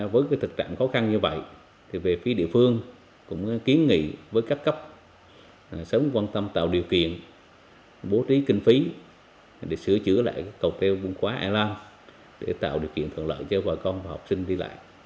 với thực trạng khó khăn như vậy về phía địa phương cũng kiến nghị với các cấp sớm quan tâm tạo điều kiện bố trí kinh phí để sửa chữa lại cầu treo buôn khóa a rất để tạo điều kiện thuận lợi cho vợ con và học sinh đi lại trong thời gian tới